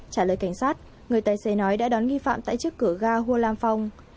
trả lời cảnh sát người tài xế nói đã đón nghi phạm tại trước cửa ga hulam phong